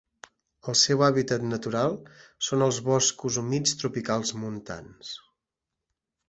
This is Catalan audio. El seu hàbitat natural són els boscos humits tropicals montans.